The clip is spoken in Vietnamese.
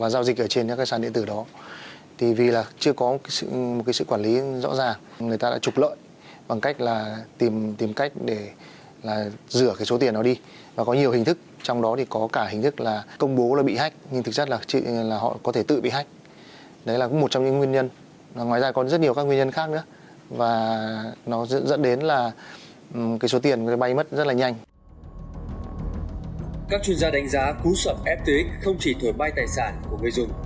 các chuyên gia đánh giá cú sập ftx không chỉ thổi bay tài sản của người dùng